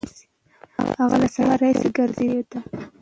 هغه له سهاره راهیسې ګرځېدلی دی.